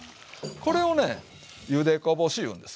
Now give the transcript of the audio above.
これをね「ゆでこぼし」言うんです。